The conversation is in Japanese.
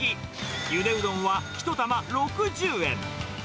ゆでうどんは１玉６０円。